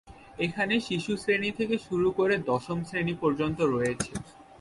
এখানে শিশু শ্রেণি থেকে শুরু করে দশম শ্রেণি পর্যন্ত রয়েছে।